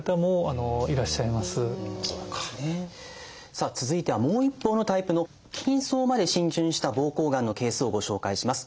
さあ続いてはもう一方のタイプの筋層まで浸潤した膀胱がんのケースをご紹介します。